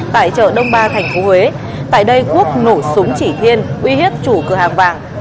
tại chợ đông ba tp huế tại đây quốc nổ súng chỉ thiên uy hiếp chủ cửa hàng vàng